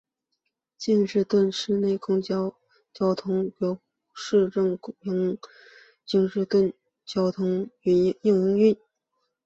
京士顿市内的公共交通服务由市营的京士顿交通局营运。